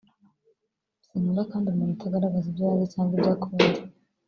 sinkunda kandi umuntu utagaragaza ibyo yanze cyangwa akunze